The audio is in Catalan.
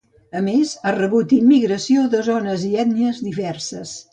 A més, ha rebut immigració de zones i ètnies diverses.